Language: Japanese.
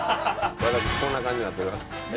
私こんな感じになっております。